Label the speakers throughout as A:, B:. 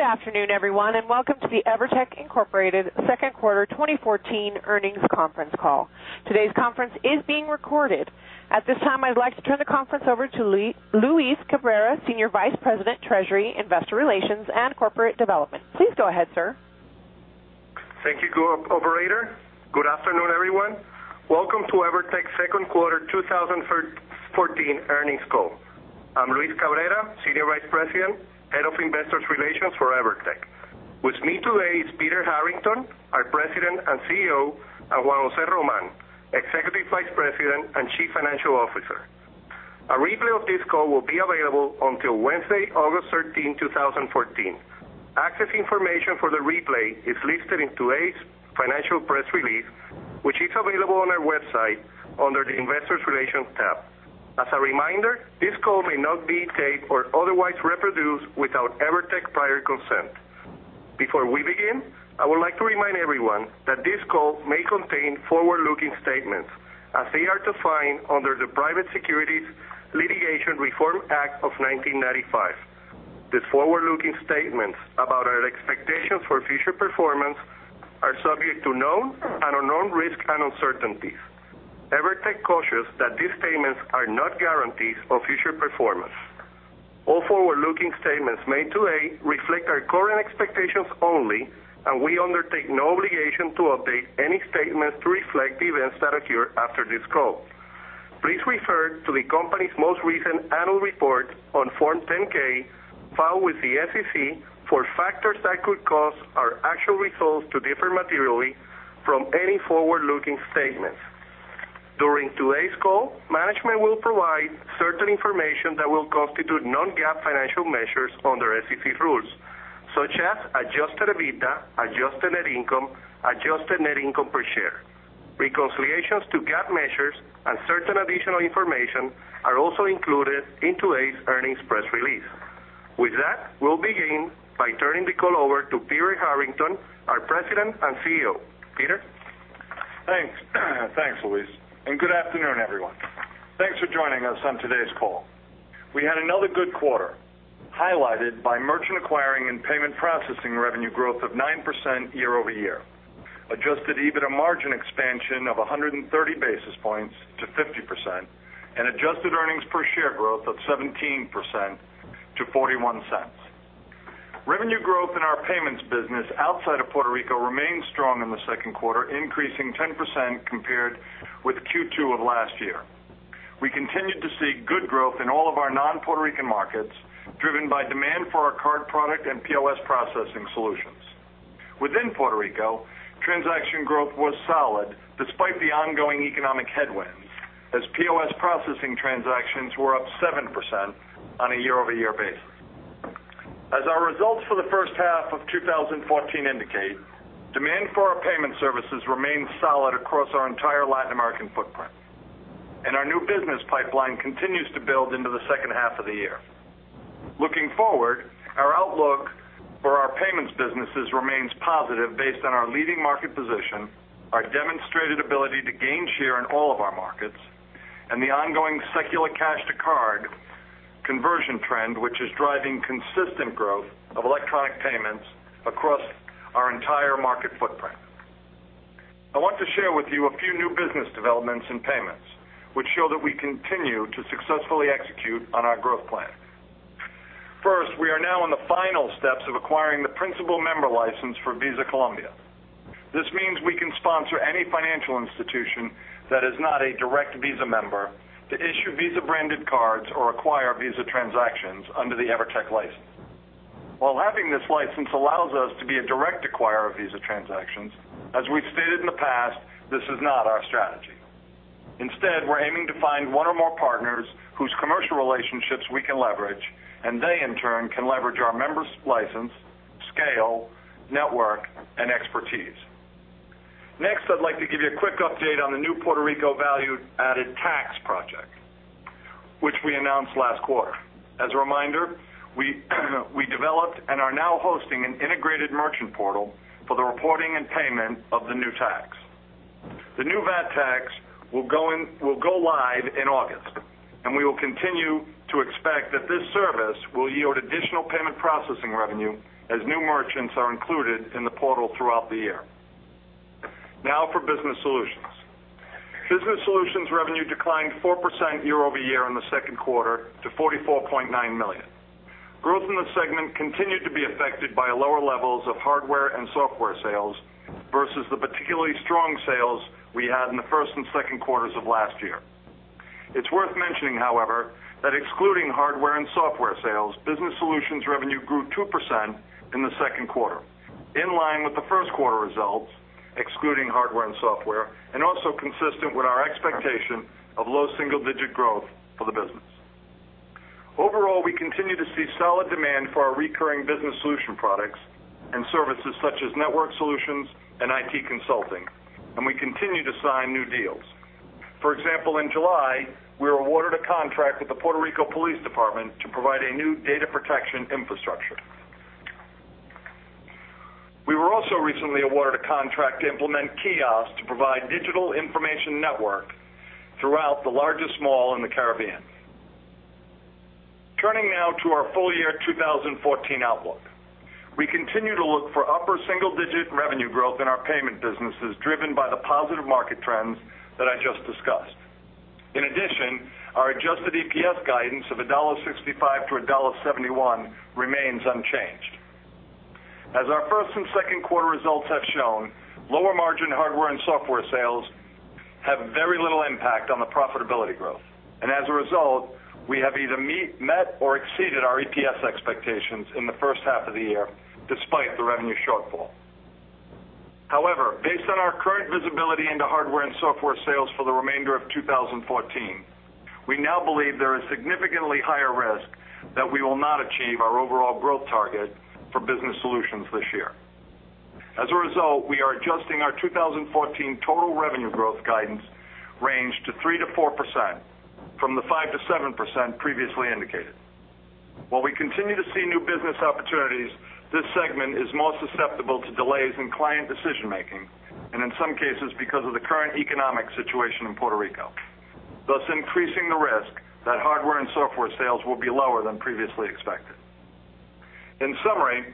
A: Good afternoon, everyone, welcome to the EVERTEC, Inc. second quarter 2014 earnings conference call. Today's conference is being recorded. At this time, I'd like to turn the conference over to Luis Cabrera, Senior Vice President, Treasury, Investor Relations, and Corporate Development. Please go ahead, sir.
B: Thank you, operator. Good afternoon, everyone. Welcome to EVERTEC's second quarter 2014 earnings call. I'm Luis Cabrera, Senior Vice President, Head of Investor Relations for EVERTEC. With me today is Peter Harrington, our President and CEO, and Juan José Román, Executive Vice President and Chief Financial Officer. A replay of this call will be available until Wednesday, August 13, 2014. Access information for the replay is listed in today's financial press release, which is available on our website under the Investor Relations tab. As a reminder, this call may not be taped or otherwise reproduced without EVERTEC prior consent. Before we begin, I would like to remind everyone that this call may contain forward-looking statements as they are defined under the Private Securities Litigation Reform Act of 1995. These forward-looking statements about our expectations for future performance are subject to known and unknown risks and uncertainties. EVERTEC cautions that these statements are not guarantees of future performance. All forward-looking statements made today reflect our current expectations only, we undertake no obligation to update any statements to reflect events that occur after this call. Please refer to the company's most recent annual report on Form 10-K filed with the SEC for factors that could cause our actual results to differ materially from any forward-looking statements. During today's call, management will provide certain information that will constitute non-GAAP financial measures under SEC rules, such as adjusted EBITDA, adjusted net income, adjusted net income per share. Reconciliations to GAAP measures and certain additional information are also included in today's earnings press release. We'll begin by turning the call over to Peter Harrington, our President and CEO. Peter?
C: Thanks, Luis, good afternoon, everyone. Thanks for joining us on today's call. We had another good quarter, highlighted by merchant acquiring and payment processing revenue growth of 9% year-over-year, adjusted EBITDA margin expansion of 130 basis points to 50%, and adjusted earnings per share growth of 17% to $0.41. Revenue growth in our payments business outside of Puerto Rico remained strong in the second quarter, increasing 10% compared with Q2 of last year. We continued to see good growth in all of our non-Puerto Rican markets, driven by demand for our card product and POS processing solutions. Within Puerto Rico, transaction growth was solid despite the ongoing economic headwinds, as POS processing transactions were up 7% on a year-over-year basis. As our results for the first half of 2014 indicate, demand for our payment services remains solid across our entire Latin American footprint. Our new business pipeline continues to build into the second half of the year. Looking forward, our outlook for our payments businesses remains positive based on our leading market position, our demonstrated ability to gain share in all of our markets, and the ongoing secular cash-to-card conversion trend, which is driving consistent growth of electronic payments across our entire market footprint. I want to share with you a few new business developments in payments, which show that we continue to successfully execute on our growth plan. First, we are now in the final steps of acquiring the principal member license for Visa Colombia. This means we can sponsor any financial institution that is not a direct Visa member to issue Visa-branded cards or acquire Visa transactions under the EVERTEC license. While having this license allows us to be a direct acquirer of Visa transactions, as we've stated in the past, this is not our strategy. Instead, we're aiming to find one or more partners whose commercial relationships we can leverage, and they in turn can leverage our members' license, scale, network, and expertise. Next, I'd like to give you a quick update on the new Puerto Rico Value Added Tax project, which we announced last quarter. As a reminder, we developed and are now hosting an integrated merchant portal for the reporting and payment of the new tax. The new VAT tax will go live in August, and we will continue to expect that this service will yield additional payment processing revenue as new merchants are included in the portal throughout the year. Now for Business Solutions. Business Solutions revenue declined 4% year-over-year in the second quarter to $44.9 million. Growth in the segment continued to be affected by lower levels of hardware and software sales versus the particularly strong sales we had in the first and second quarters of last year. It's worth mentioning, however, that excluding hardware and software sales, Business Solutions revenue grew 2% in the second quarter, in line with the first quarter results, excluding hardware and software, and also consistent with our expectation of low single-digit growth for the business. Overall, we continue to see solid demand for our recurring Business Solution products and services such as network solutions and IT consulting, and we continue to sign new deals. For example, in July, we were awarded a contract with the Puerto Rico Police Department to provide a new data protection infrastructure. We were also recently awarded a contract to implement kiosks to provide digital information network throughout the largest mall in the Caribbean. Turning now to our full-year 2014 outlook. We continue to look for upper single-digit revenue growth in our payment businesses, driven by the positive market trends that I just discussed. In addition, our adjusted EPS guidance of $1.65 to $1.71 remains unchanged. As our first and second quarter results have shown, lower margin hardware and software sales have very little impact on the profitability growth, and as a result, we have either met or exceeded our EPS expectations in the first half of the year, despite the revenue shortfall. However, based on our current visibility into hardware and software sales for the remainder of 2014, we now believe there is significantly higher risk that we will not achieve our overall growth target for Business Solutions this year. As a result, we are adjusting our 2014 total revenue growth guidance range to 3%-4%, from the 5%-7% previously indicated. While we continue to see new business opportunities, this segment is more susceptible to delays in client decision-making, and in some cases because of the current economic situation in Puerto Rico, thus increasing the risk that hardware and software sales will be lower than previously expected. In summary,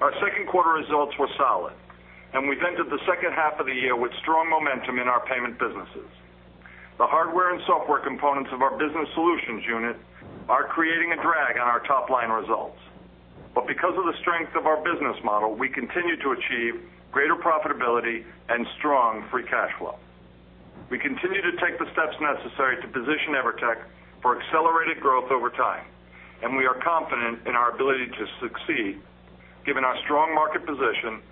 C: our second quarter results were solid, and we've entered the second half of the year with strong momentum in our payment businesses. The hardware and software components of our Business Solutions unit are creating a drag on our top-line results. Because of the strength of our business model, we continue to achieve greater profitability and strong free cash flow. We continue to take the steps necessary to position EVERTEC for accelerated growth over time, and we are confident in our ability to succeed given our strong market position,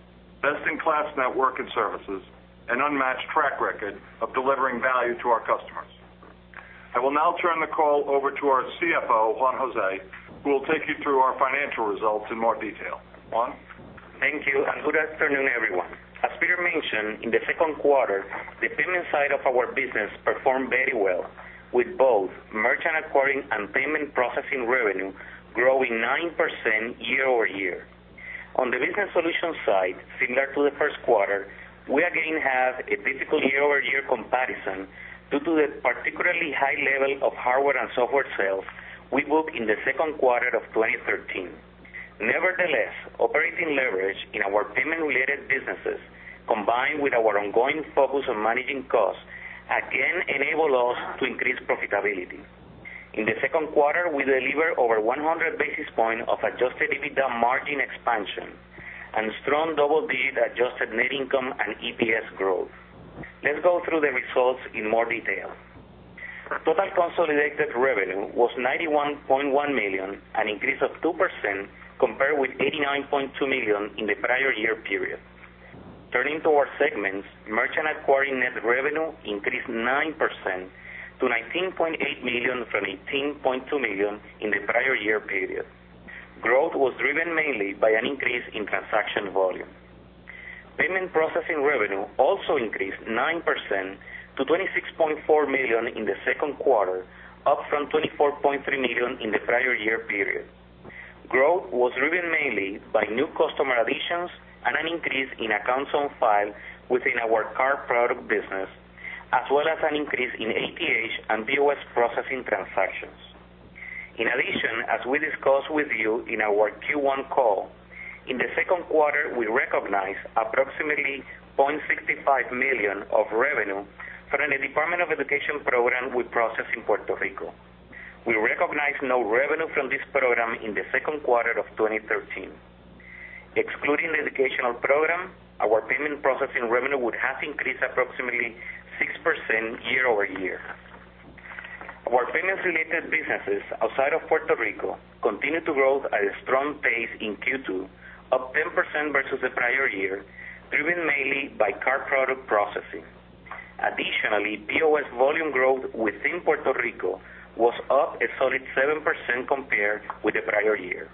C: best-in-class network and services, and unmatched track record of delivering value to our customers. I will now turn the call over to our CFO, Juan José, who will take you through our financial results in more detail. Juan José.
D: Thank you. Good afternoon, everyone. As Peter mentioned, in the second quarter, the payment side of our business performed very well, with both merchant acquiring and payment processing revenue growing 9% year-over-year. On the Business Solutions side, similar to the first quarter, we again have a difficult year-over-year comparison due to the particularly high level of hardware and software sales we booked in the second quarter of 2013. Nevertheless, operating leverage in our payment-related businesses, combined with our ongoing focus on managing costs, again enabled us to increase profitability. In the second quarter, we delivered over 100 basis points of adjusted EBITDA margin expansion and strong double-digit adjusted net income and EPS growth. Let's go through the results in more detail. Total consolidated revenue was $91.1 million, an increase of 2% compared with $89.2 million in the prior year period. Turning to our segments, merchant acquiring net revenue increased 9% to $19.8 million from $18.2 million in the prior year period. Payment processing revenue also increased 9% to $26.4 million in the second quarter, up from $24.3 million in the prior year period. Growth was driven mainly by new customer additions and an increase in accounts on file within our card product business, as well as an increase in ATH and POS processing transactions. In addition, as we discussed with you in our Q1 call, in the second quarter, we recognized approximately $0.65 million of revenue from the Department of Education program we process in Puerto Rico. We recognized no revenue from this program in the second quarter of 2013. Excluding the educational program, our payment processing revenue would have increased approximately 6% year-over-year. Our payments-related businesses outside of Puerto Rico continued to grow at a strong pace in Q2, up 10% versus the prior year, driven mainly by card product processing. Additionally, POS volume growth within Puerto Rico was up a solid 7% compared with the prior year.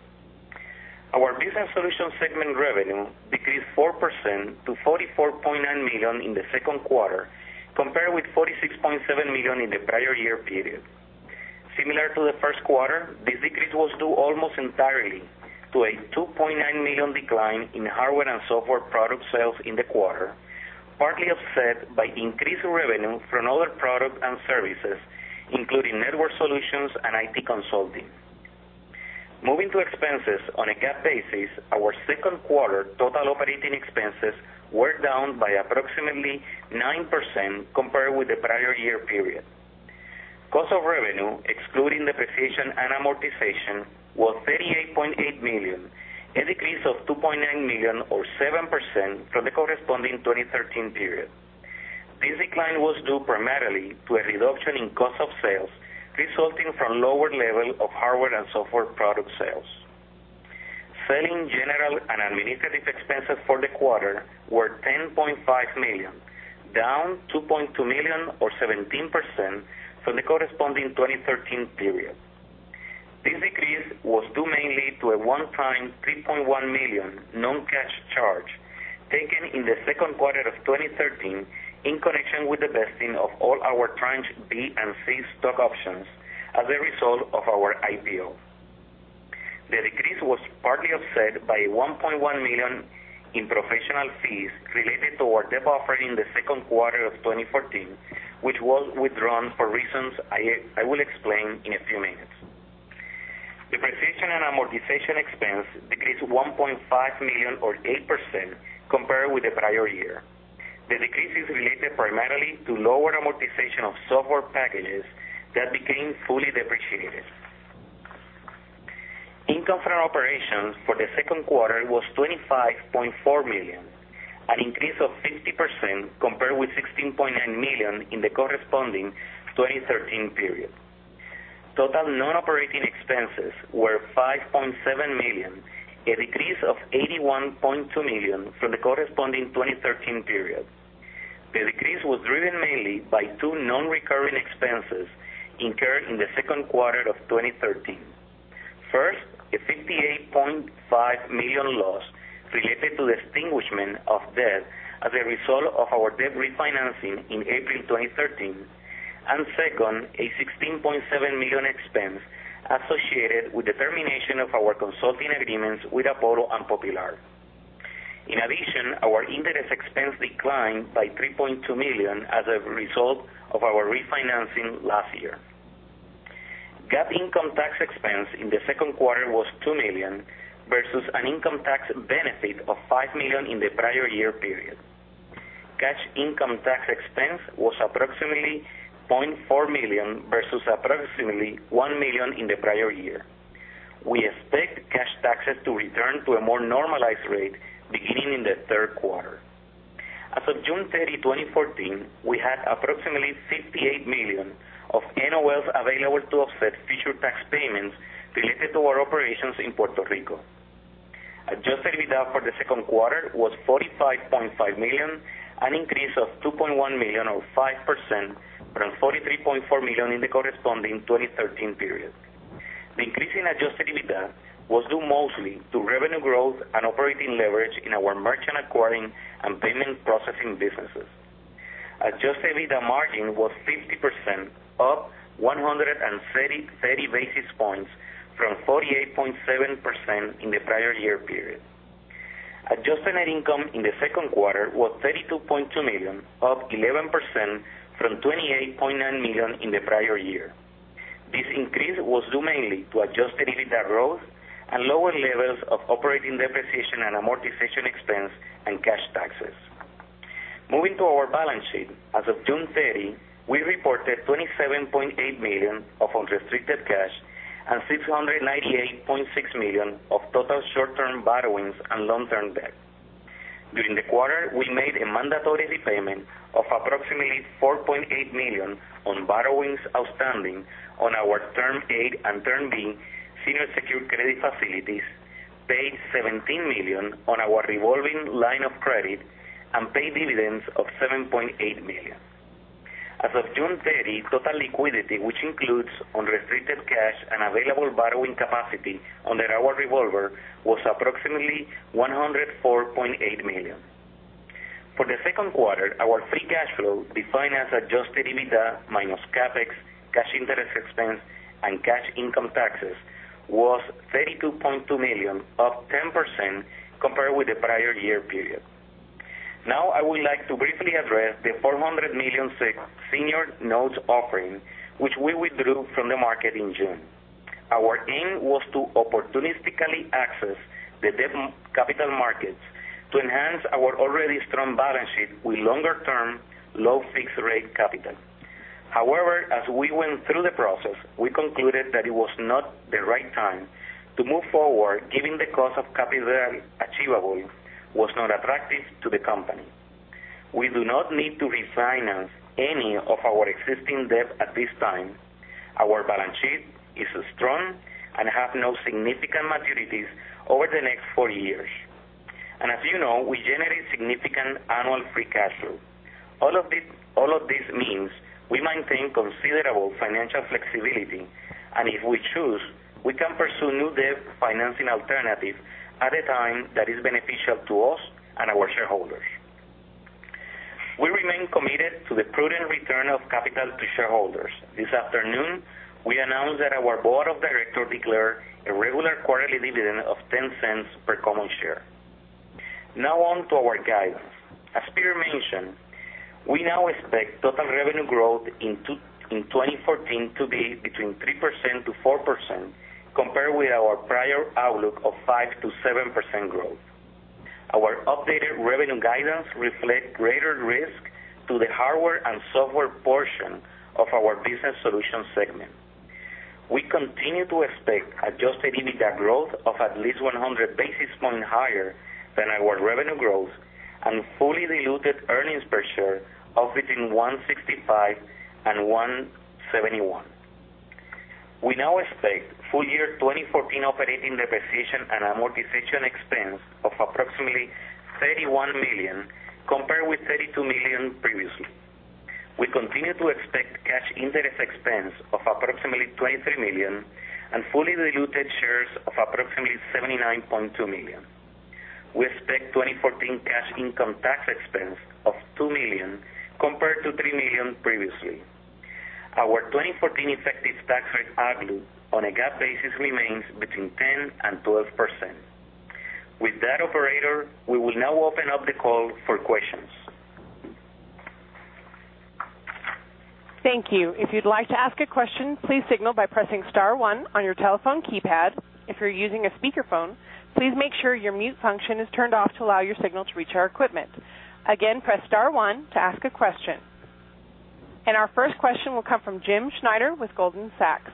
D: Our Business Solutions segment revenue decreased 4% to $44.9 million in the second quarter, compared with $46.7 million in the prior year period. Similar to the first quarter, this decrease was due almost entirely to a $2.9 million decline in hardware and software product sales in the quarter, partly offset by increased revenue from other products and services, including network solutions and IT consulting. Moving to expenses on a GAAP basis, our second quarter total operating expenses were down by approximately 9% compared with the prior year period. Cost of revenue, excluding depreciation and amortization, was $38.8 million, a decrease of $2.9 million or 7% from the corresponding 2013 period. This decline was due primarily to a reduction in cost of sales resulting from lower level of hardware and software product sales. Selling, general, and administrative expenses for the quarter were $10.5 million, down $2.2 million or 17% from the corresponding 2013 period. This decrease was due mainly to a one-time $3.1 million non-cash charge taken in the second quarter of 2013 in connection with the vesting of all our Tranche B and Tranche C stock options as a result of our IPO. The decrease was partly offset by $1.1 million in professional fees related to our debt offering in the second quarter of 2014, which was withdrawn for reasons I will explain in a few minutes. Depreciation and amortization expense decreased $1.5 million, or 8%, compared with the prior year. The decrease is related primarily to lower amortization of software packages that became fully depreciated. Income from operations for the second quarter was $25.4 million, an increase of 50% compared with $16.9 million in the corresponding 2013 period. Total non-operating expenses were $5.7 million, a decrease of $81.2 million from the corresponding 2013 period. The decrease was driven mainly by two non-recurring expenses incurred in the second quarter of 2013. First, a $58.5 million loss related to the extinguishment of debt as a result of our debt refinancing in April 2013. Second, a $16.7 million expense associated with the termination of our consulting agreements with Apollo and Popular. In addition, our interest expense declined by $3.2 million as a result of our refinancing last year. GAAP income tax expense in the second quarter was $2 million, versus an income tax benefit of $5 million in the prior year period. Cash income tax expense was approximately $0.4 million, versus approximately $1 million in the prior year. We expect cash taxes to return to a more normalized rate beginning in the third quarter. As of June 30, 2014, we had approximately $68 million of NOLs available to offset future tax payments related to our operations in Puerto Rico. Adjusted EBITDA for the second quarter was $45.5 million, an increase of $2.1 million, or 5%, from $43.4 million in the corresponding 2013 period. The increase in adjusted EBITDA was due mostly to revenue growth and operating leverage in our merchant acquiring and payment processing businesses. Adjusted EBITDA margin was 50%, up 130 basis points from 48.7% in the prior year period. Adjusted net income in the second quarter was $32.2 million, up 11% from $28.9 million in the prior year. This increase was due mainly to adjusted EBITDA growth and lower levels of operating depreciation and amortization expense and cash taxes. Moving to our balance sheet. As of June 30, we reported $27.8 million of unrestricted cash and $698.6 million of total short-term borrowings and long-term debt. During the quarter, we made a mandatory repayment of approximately $4.8 million on borrowings outstanding on our Term A and Term B senior secured credit facilities, paid $17 million on our revolving line of credit, and paid dividends of $7.8 million. As of June 30, total liquidity, which includes unrestricted cash and available borrowing capacity under our revolver, was approximately $104.8 million. For the second quarter, our free cash flow, defined as adjusted EBITDA minus CapEx, cash interest expense, and cash income taxes, was $32.2 million, up 10% compared with the prior year period. Now, I would like to briefly address the $400 million senior notes offering, which we withdrew from the market in June. Our aim was to opportunistically access the debt capital markets to enhance our already strong balance sheet with longer-term, low fixed-rate capital. However, as we went through the process, we concluded that it was not the right time to move forward, given the cost of capital achievable was not attractive to the company. We do not need to refinance any of our existing debt at this time. Our balance sheet is strong and have no significant maturities over the next four years. As you know, we generate significant annual free cash flow. All of this means we maintain considerable financial flexibility, and if we choose, we can pursue new debt financing alternatives at a time that is beneficial to us and our shareholders. We remain committed to the prudent return of capital to shareholders. This afternoon, we announced that our board of directors declared a regular quarterly dividend of $0.10 per common share. Now on to our guidance. As Peter mentioned, we now expect total revenue growth in 2014 to be between 3%-4%, compared with our prior outlook of 5%-7% growth. Our updated revenue guidance reflect greater risk to the hardware and software portion of our Business Solutions segment. We continue to expect adjusted EBITDA growth of at least 100 basis points higher than our revenue growth, and fully diluted earnings per share of between $1.65 and $1.71. We now expect full year 2014 operating depreciation and amortization expense of approximately $31 million, compared with $32 million previously. We continue to expect cash interest expense of approximately $23 million and fully diluted shares of approximately $79.2 million. We expect 2014 cash income tax expense of $2 million compared to $3 million previously. Our 2014 effective tax rate, on a GAAP basis, remains between 10% and 12%. With that, operator, we will now open up the call for questions.
A: Thank you. If you'd like to ask a question, please signal by pressing *1 on your telephone keypad. If you're using a speakerphone, please make sure your mute function is turned off to allow your signal to reach our equipment. Again, press *1 to ask a question. Our first question will come from Jim Schneider with Goldman Sachs.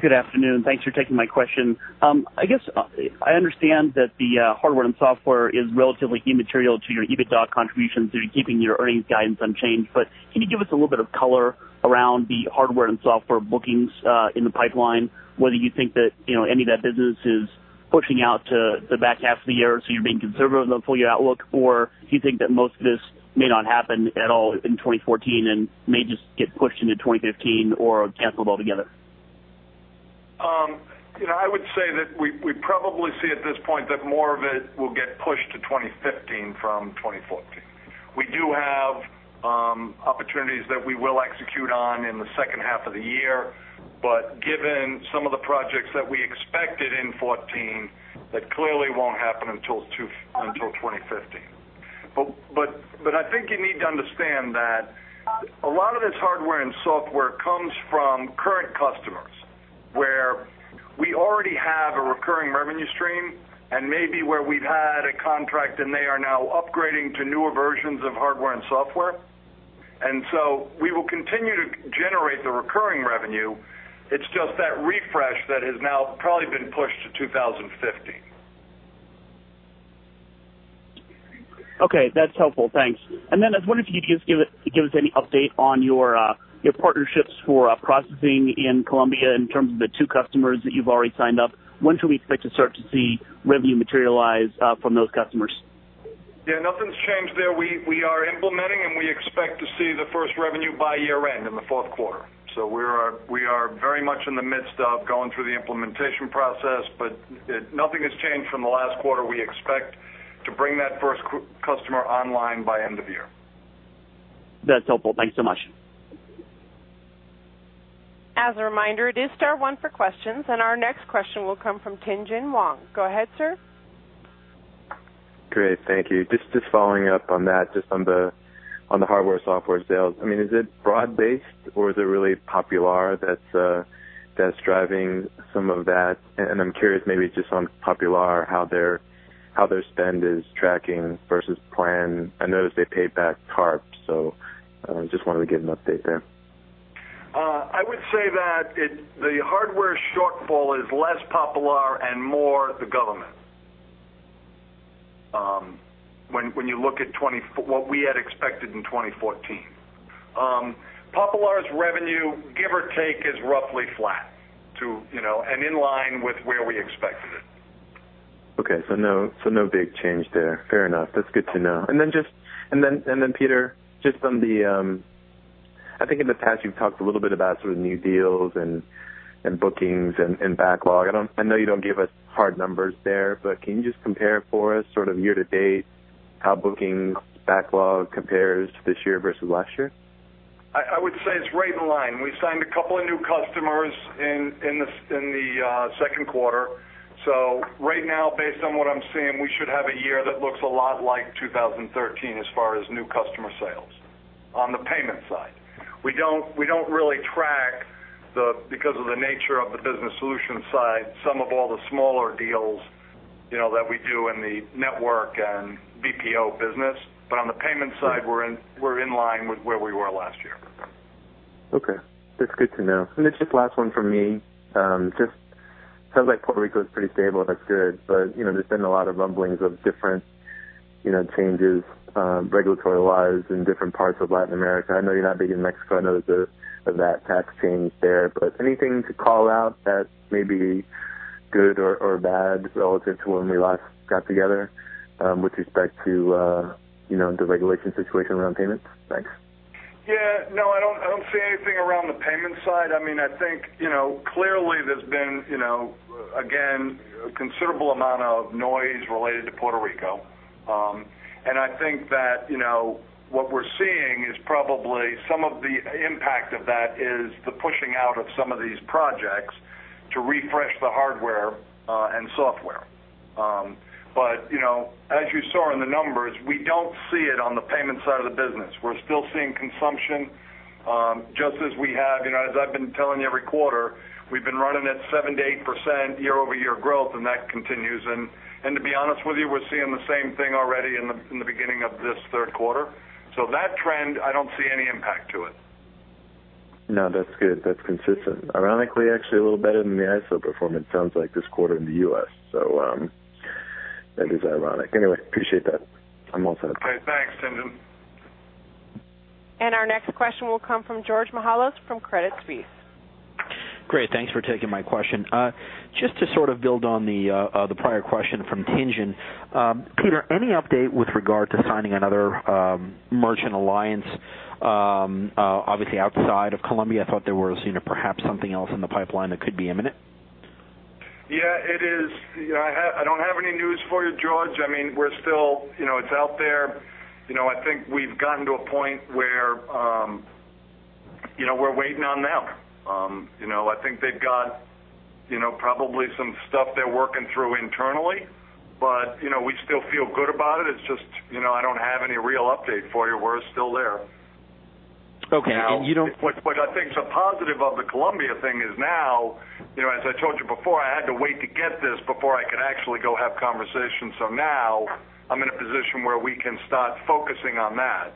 E: Good afternoon. Thanks for taking my question. I understand that the hardware and software is relatively immaterial to your EBITDA contributions to keeping your earnings guidance unchanged, but can you give us a little bit of color around the hardware and software bookings in the pipeline, whether you think that any of that business is pushing out to the back half of the year, so you're being conservative on the full-year outlook, or do you think that most of this may not happen at all in 2014 and may just get pushed into 2015 or canceled altogether?
C: I would say that we probably see at this point that more of it will get pushed to 2015 from 2014. We do have opportunities that we will execute on in the second half of the year, but given some of the projects that we expected in 2014, that clearly won't happen until 2015. I think you need to understand that a lot of this hardware and software comes from current customers, where we already have a recurring revenue stream and maybe where we've had a contract and they are now upgrading to newer versions of hardware and software. We will continue to generate the recurring revenue. It's just that refresh that has now probably been pushed to 2015.
E: Okay, that's helpful. Thanks. I was wondering if you could just give us any update on your partnerships for processing in Colombia in terms of the two customers that you've already signed up. When should we expect to start to see revenue materialize from those customers?
C: Yeah, nothing's changed there. We are implementing, we expect to see the first revenue by year-end in the fourth quarter. We are very much in the midst of going through the implementation process, nothing has changed from the last quarter. We expect to bring that first customer online by end of year.
E: That's helpful. Thanks so much.
A: As a reminder, it is star one for questions, our next question will come from Tien-tsin Huang. Go ahead, sir.
F: Great. Thank you. Just following up on that, just on the hardware-software sales, is it broad-based or is it really Popular that's driving some of that? I'm curious maybe just on Popular, how their spend is tracking versus plan. I noticed they paid back TARP, so just wanted to get an update there.
C: Okay. I would say that the hardware shortfall is less Popular and more the government when you look at what we had expected in 2014. Popular's revenue, give or take, is roughly flat and in line with where we expected it.
F: Okay. No big change there. Fair enough. That's good to know. Peter, I think in the past you've talked a little bit about sort of new deals and bookings and backlog. I know you don't give us hard numbers there, but can you just compare for us sort of year-to-date how bookings backlog compares to this year versus last year?
C: I would say it's right in line. We signed a couple of new customers in the second quarter. Right now, based on what I'm seeing, we should have a year that looks a lot like 2013 as far as new customer sales on the payment side. We don't really track, because of the nature of the Business Solutions side, some of all the smaller deals that we do in the network and BPO business. On the payment side, we're in line with where we were last year.
F: Okay. That's good to know. Just last one from me. Sounds like Puerto Rico is pretty stable. That's good. There's been a lot of rumblings of different changes regulatory-wise in different parts of Latin America. I know you're not big in Mexico. I know that there's that tax change there. Anything to call out that may be good or bad relative to when we last got together with respect to the regulation situation around payments? Thanks.
C: No, I don't see anything around the payment side. I think clearly there's been, again, a considerable amount of noise related to Puerto Rico. I think that what we're seeing is probably some of the impact of that is the pushing out of some of these projects to refresh the hardware and software. As you saw in the numbers, we don't see it on the payment side of the business. We're still seeing consumption, just as we have. As I've been telling you every quarter, we've been running at 7%-8% year-over-year growth, and that continues. To be honest with you, we're seeing the same thing already in the beginning of this third quarter. That trend, I don't see any impact to it.
F: No, that's good. That's consistent. Ironically, actually a little better than the ISO performance sounds like this quarter in the U.S. That is ironic. Anyway, appreciate that. I'm all set up.
C: Okay. Thanks, Tien-tsin.
A: Our next question will come from George Mihalos from Credit Suisse.
G: Great. Thanks for taking my question. Just to sort of build on the prior question from Tien-tsin, Peter, any update with regard to signing another merchant alliance obviously outside of Colombia? I thought there was perhaps something else in the pipeline that could be imminent.
C: Yeah, it is. I don't have any news for you, George. It's out there. I think we've gotten to a point where we're waiting on them. I think they've got probably some stuff they're working through internally, but we still feel good about it. It's just, I don't have any real update for you. We're still there.
G: Okay.
C: What I think is a positive of the Colombia thing is now, as I told you before, I had to wait to get this before I could actually go have conversations. Now I'm in a position where we can start focusing on that,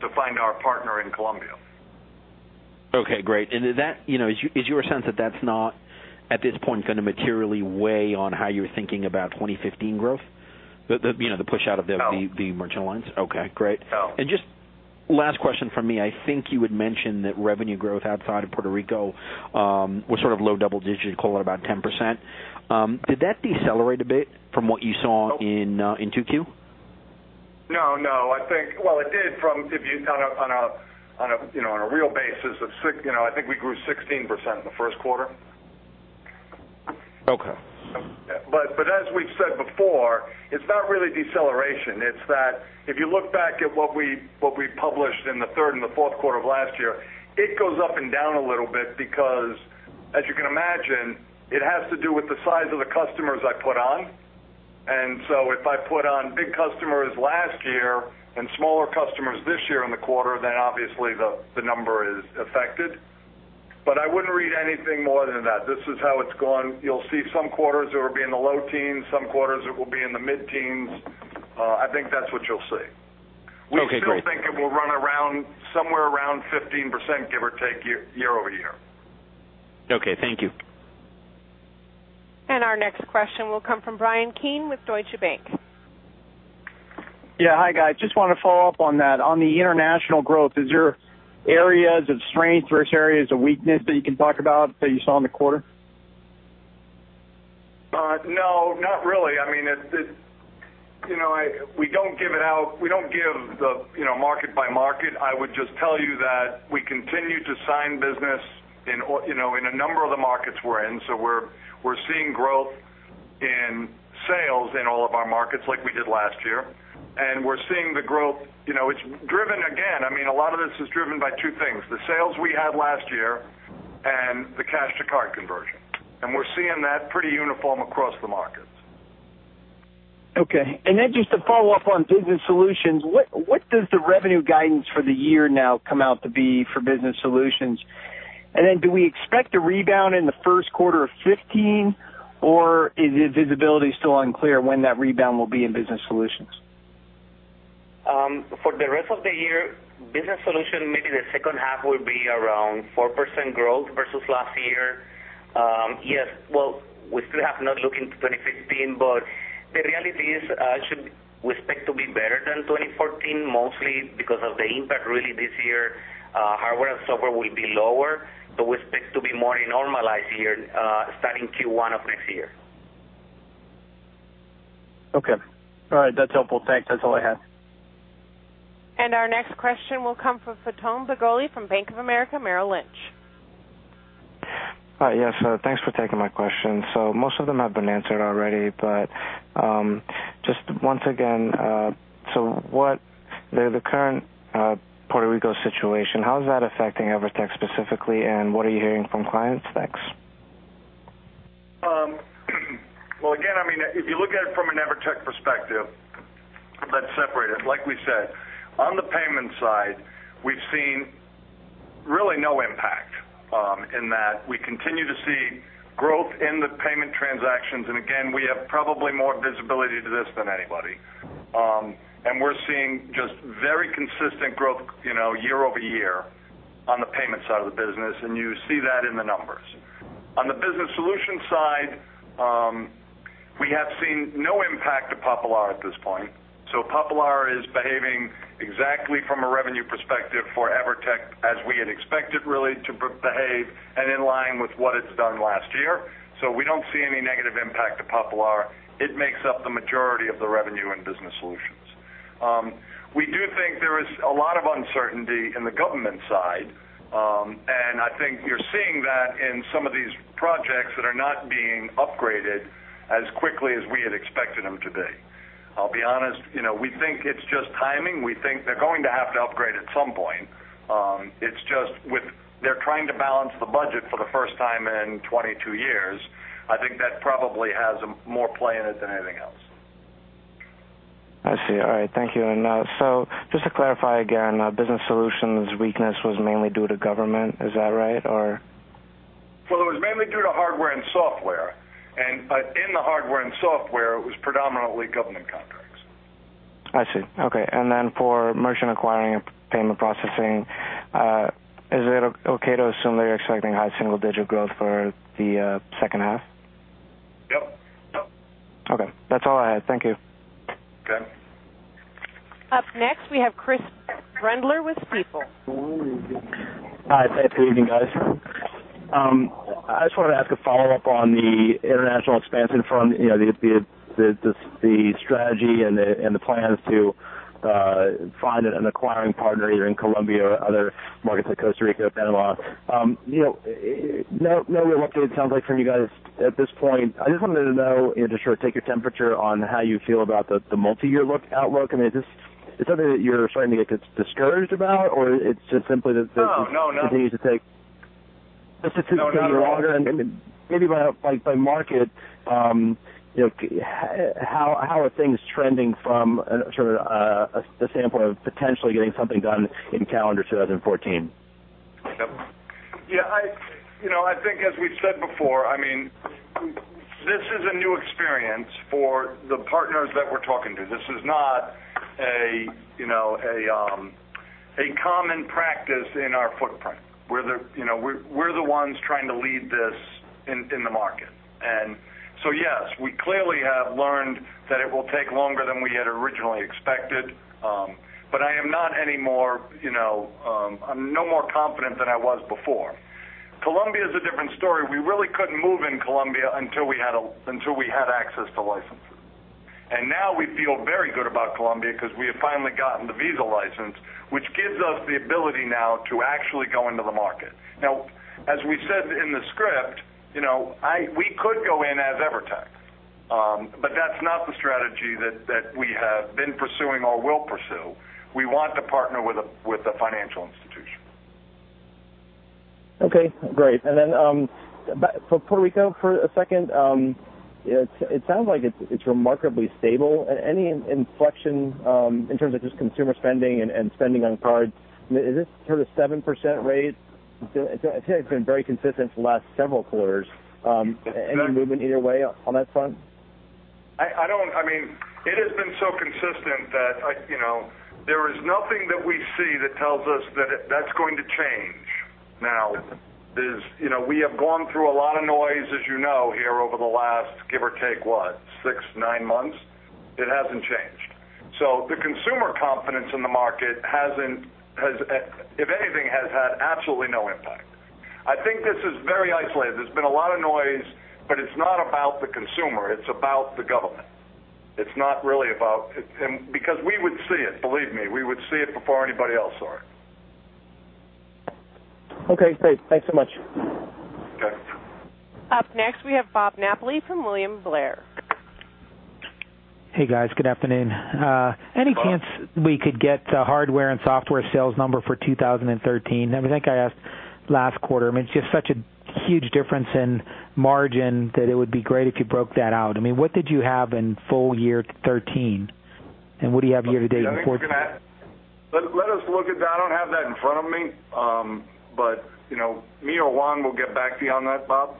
C: to find our partner in Colombia.
G: Okay, great. Is your sense that that's not at this point going to materially weigh on how you're thinking about 2015 growth? The push out of the-
C: No
G: merchant lines? Okay, great. No. Just last question from me. I think you had mentioned that revenue growth outside of Puerto Rico was low double digit, call it about 10%. Did that decelerate a bit from what you saw in 2Q? No, I think Well, it did from, if you on a real basis of six, I think we grew 16% in the first quarter. Okay.
C: As we've said before, it's not really deceleration. It's that if you look back at what we published in the third and the fourth quarter of last year, it goes up and down a little bit because as you can imagine, it has to do with the size of the customers I put on. If I put on big customers last year and smaller customers this year in the quarter, then obviously the number is affected. I wouldn't read anything more than that. This is how it's going. You'll see some quarters it will be in the low teens, some quarters it will be in the mid-teens. I think that's what you'll see.
G: Okay, great.
C: We still think it will run somewhere around 15%, give or take, year-over-year.
G: Okay. Thank you.
A: Our next question will come from Brian Keane with Deutsche Bank.
H: Yeah. Hi, guys. Just want to follow up on that. On the international growth, is there areas of strength versus areas of weakness that you can talk about that you saw in the quarter?
C: No, not really. We don't give it out. We don't give the market by market. I would just tell you that we continue to sign business in a number of the markets we're in. We're seeing growth in sales in all of our markets like we did last year, and we're seeing the growth. It's driven, again, a lot of this is driven by two things, the sales we had last year and the cash to card conversion. We're seeing that pretty uniform across the markets.
H: Okay. Just to follow up on Business Solutions, what does the revenue guidance for the year now come out to be for Business Solutions? Do we expect a rebound in the first quarter of 2015, or is the visibility still unclear when that rebound will be in Business Solutions?
D: For the rest of the year, Business Solutions, maybe the second half will be around 4% growth versus last year. Yes. Well, we still have not looked into 2015, the reality is, we expect to be better than 2014, mostly because of the impact really this year, hardware and software will be lower, so we expect to be more normalized here, starting Q1 of next year.
H: Okay. All right. That's helpful. Thanks. That's all I have.
A: Our next question will come from Fatone Bogole from Bank of America Merrill Lynch.
I: Yes. Thanks for taking my question. Most of them have been answered already, but just once again, what the current Puerto Rico situation, how is that affecting EVERTEC specifically, and what are you hearing from clients? Thanks.
C: Well, again, if you look at it from an EVERTEC perspective, let's separate it. Like we said, on the payment side, we've seen really no impact, in that we continue to see growth in the payment transactions. Again, we have probably more visibility to this than anybody. We're seeing just very consistent growth, year-over-year on the payment side of the business, and you see that in the numbers. On the Business Solutions side, we have seen no impact to Popular at this point. Popular is behaving exactly from a revenue perspective for EVERTEC as we had expected really to behave and in line with what it's done last year. We don't see any negative impact to Popular. It makes up the majority of the revenue in Business Solutions. We do think there is a lot of uncertainty in the government side. I think you're seeing that in some of these projects that are not being upgraded as quickly as we had expected them to be. I'll be honest, we think it's just timing. We think they're going to have to upgrade at some point. It's just they're trying to balance the budget for the first time in 22 years. I think that probably has more play in it than anything else.
I: I see. All right. Thank you. Just to clarify again, Business Solutions' weakness was mainly due to government. Is that right, or?
C: Well, it was mainly due to hardware and software, but in the hardware and software, it was predominantly government contracts.
I: I see. Okay. For merchant acquiring and payment processing, is it okay to assume that you're expecting high single-digit growth for the second half?
C: Yep.
I: Okay. That's all I had. Thank you.
C: Okay.
A: Up next, we have Cris Kennedy with People.
J: Hi. Thanks. Good evening, guys. I just wanted to ask a follow-up on the international expansion front, the strategy and the plans to Finding an acquiring partner either in Colombia or other markets like Costa Rica, Panama. We're looking at public for you guys at this point. I just want to know, just take a temperature on how you feel about the multi-year outlook. I mean, is this whether you're trying to get discouraged about or is it just simply that No you need to take the temperature of the water and maybe about pipe by market. How are things trending from a sample of potentially getting something done in calendar 2014?
C: Yeah. I think as we've said before, this is a new experience for the partners that we're talking to. This is not a common practice in our footprint. We're the ones trying to lead this in the market. Yes, we clearly have learned that it will take longer than we had originally expected. I am no more confident than I was before. Colombia is a different story. We really couldn't move in Colombia until we had access to licenses. Now we feel very good about Colombia because we have finally gotten the Visa license, which gives us the ability now to actually go into the market. Now, as we said in the script, we could go in as Evertec. That's not the strategy that we have been pursuing or will pursue. We want to partner with a financial institution.
J: Okay, great. For Puerto Rico for a second, it sounds like it's remarkably stable. Any inflection in terms of just consumer spending and spending on cards? Is this sort of 7% rate? It's been very consistent for the last several quarters. Any movement either way on that front?
C: It has been so consistent that there is nothing that we see that tells us that that's going to change. We have gone through a lot of noise as you know here over the last give or take, what? six, nine months. It hasn't changed. The consumer confidence in the market if anything, has had absolutely no impact. I think this is very isolated. There's been a lot of noise, it's not about the consumer, it's about the government. We would see it, believe me. We would see it before anybody else saw it.
J: Okay, great. Thanks so much.
C: Okay.
A: Up next, we have Bob Napoli from William Blair.
K: Hey, guys. Good afternoon.
C: Bob.
K: Any chance we could get hardware and software sales number for 2013? I think I asked last quarter. I mean, it's just such a huge difference in margin that it would be great if you broke that out. I mean, what did you have in full year 2013, and what do you have year to date in 2014?
C: Let us look at that. I don't have that in front of me. Me or Juan we'll get back to you on that, Bob.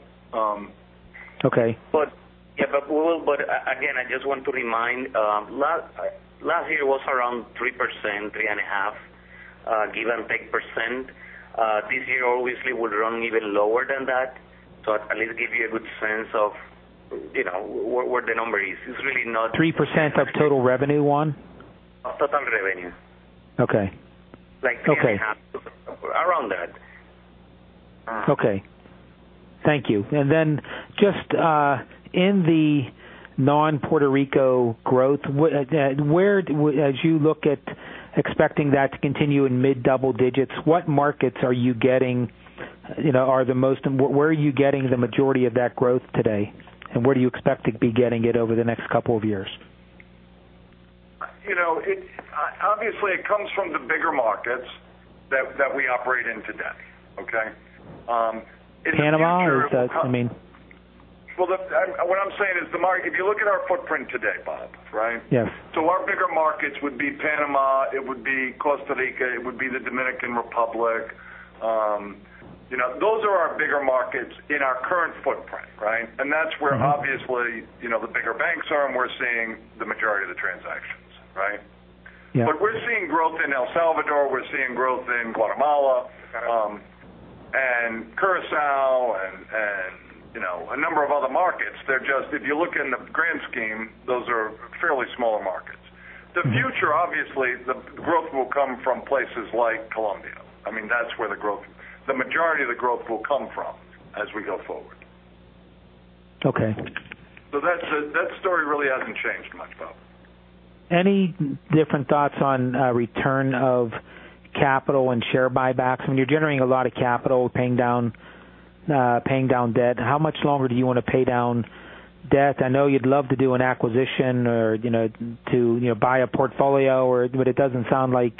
D: Okay. Yeah. Again, I just want to remind, last year was around 3%, 3.5% give and take. This year obviously will run even lower than that. At least give you a good sense of where the number is.
K: 3% of total revenue, Juan?
D: Of total revenue.
K: Okay.
D: Like three and a half. Around that.
K: Just in the non Puerto Rico growth, as you look at expecting that to continue in mid double digits, what markets are you getting the majority of that growth today, and where do you expect to be getting it over the next couple of years?
C: Obviously it comes from the bigger markets that we operate in today. Okay?
K: Panama I mean
C: What I'm saying is if you look at our footprint today, Bob, right?
K: Yes.
C: Our bigger markets would be Panama, it would be Costa Rica, it would be the Dominican Republic. Those are our bigger markets in our current footprint, right? That's where obviously, the bigger banks are, and we're seeing the majority of the transactions. Right?
K: Yeah.
C: We're seeing growth in El Salvador, we're seeing growth in Guatemala, and Curaçao and a number of other markets. If you look in the grand scheme, those are fairly smaller markets. The future, obviously, the growth will come from places like Colombia. I mean, that's where the majority of the growth will come from as we go forward.
K: Okay.
C: That story really hasn't changed much, Bob.
K: Any different thoughts on return of capital and share buybacks? I mean, you're generating a lot of capital paying down debt. How much longer do you want to pay down debt? I know you'd love to do an acquisition or to buy a portfolio, but it doesn't sound like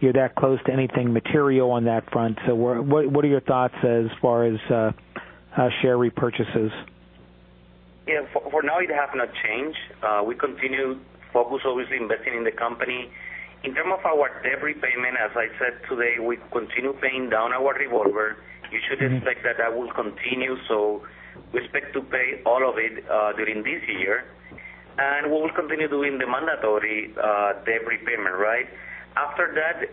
K: you're that close to anything material on that front. What are your thoughts as far as share repurchases?
D: Yeah. For now it has not changed. We continue focus obviously investing in the company. In terms of our debt repayment, as I said today, we continue paying down our revolver. You should expect that that will continue. We expect to pay all of it during this year. We will continue doing the mandatory debt repayment, right? After that,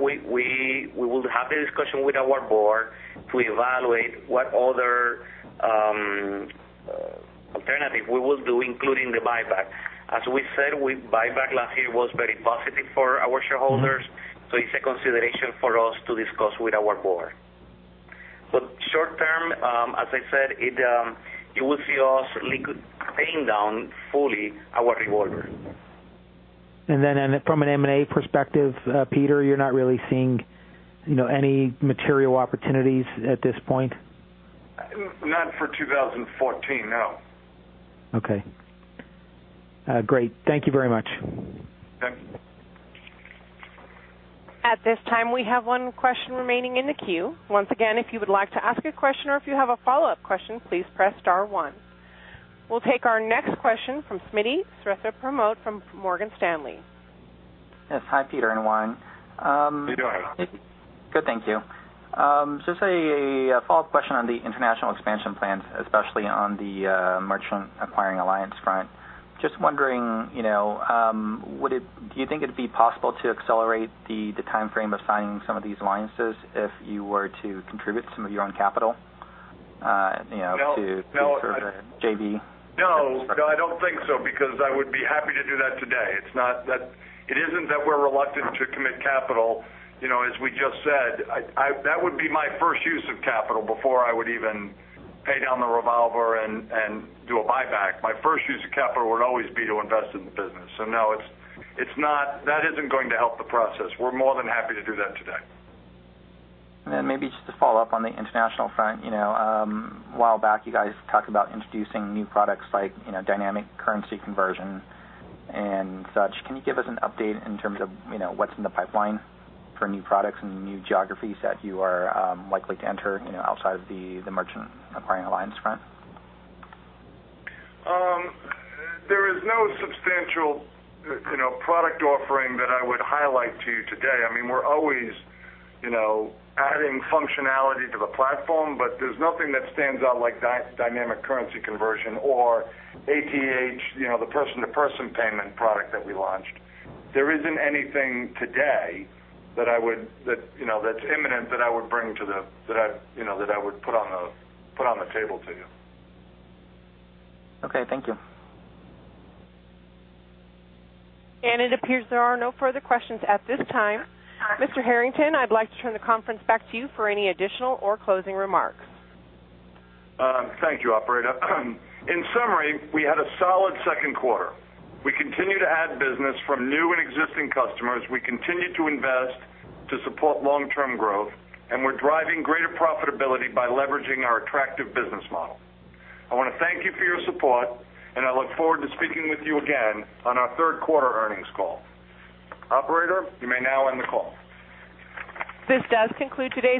D: we will have a discussion with our board to evaluate what other alternatives we will do, including the buyback. As we said, buyback last year was very positive for our shareholders. It's a consideration for us to discuss with our board. As I said, you will see us paying down fully our revolver.
K: From an M&A perspective, Peter, you're not really seeing any material opportunities at this point?
C: Not for 2014, no.
K: Okay. Great. Thank you very much.
C: Okay.
A: At this time, we have one question remaining in the queue. Once again, if you would like to ask a question or if you have a follow-up question, please press star one. We'll take our next question from Smitty Siretha Pramod from Morgan Stanley.
L: Yes. Hi, Peter and Juan.
C: How you doing?
L: Good, thank you. Just a follow-up question on the international expansion plans, especially on the merchant acquiring alliance front. Just wondering, do you think it'd be possible to accelerate the timeframe of signing some of these alliances if you were to contribute some of your own capital-
C: No
L: to further JV?
C: No, I don't think so, because I would be happy to do that today. It isn't that we're reluctant to commit capital. As we just said, that would be my first use of capital before I would even pay down the revolver and do a buyback. My first use of capital would always be to invest in the business. No, that isn't going to help the process. We're more than happy to do that today.
L: Maybe just to follow up on the international front. A while back you guys talked about introducing new products like dynamic currency conversion and such. Can you give us an update in terms of what's in the pipeline for new products and new geographies that you are likely to enter outside of the merchant acquiring alliance front?
C: There is no substantial product offering that I would highlight to you today. We're always adding functionality to the platform, but there's nothing that stands out like dynamic currency conversion or ATH, the person-to-person payment product that we launched. There isn't anything today that's imminent that I would put on the table to you.
L: Okay, thank you.
A: It appears there are no further questions at this time. Mr. Harrington, I'd like to turn the conference back to you for any additional or closing remarks.
C: Thank you, operator. In summary, we had a solid second quarter. We continue to add business from new and existing customers. We continue to invest to support long-term growth. We're driving greater profitability by leveraging our attractive business model. I want to thank you for your support, and I look forward to speaking with you again on our third quarter earnings call. Operator, you may now end the call.
A: This does conclude today's-